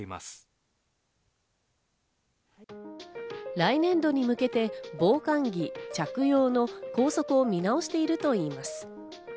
来年度に向けて、防寒着着用の校則を見直しているといいます。